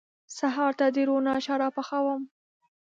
سهار ته د روڼا شراب پخوم